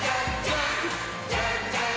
「じゃんじゃん！